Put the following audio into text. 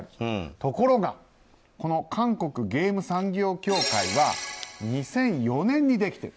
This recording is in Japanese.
ところがこの韓国ゲーム産業協会は２００４年にできている。